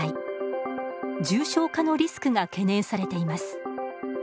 重症化のリスクが懸念されています。